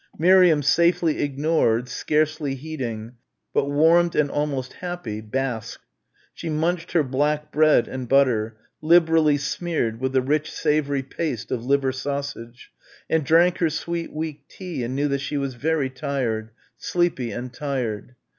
Miriam safely ignored, scarcely heeding, but warmed and almost happy, basked. She munched her black bread and butter, liberally smeared with the rich savoury paste of liver sausage, and drank her sweet weak tea and knew that she was very tired, sleepy and tired.